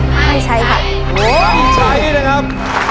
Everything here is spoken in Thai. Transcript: ไม่ใช้ค่ะ